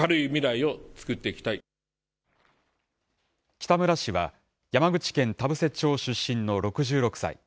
北村氏は、山口県田布施町出身の６６歳。